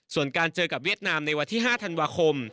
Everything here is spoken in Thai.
ส่วนการเจอกับเวียดนามในวันที่๕ธันวาคม